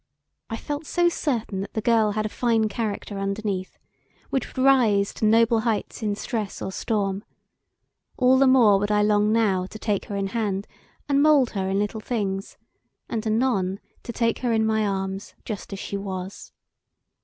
I felt so certain that the girl had a fine character underneath, which would rise to noble heights in stress or storm: all the more would I long now to take her in hand and mould her in little things, and anon to take her in my arms just as she was.